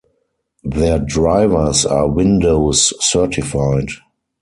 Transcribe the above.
Their drivers are Windows certified.